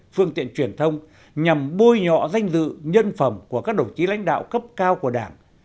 phương tiện truyền thông nhằm bôi nhọ danh dự nhân phẩm của các đồng chí lãnh đạo cấp cao của đảng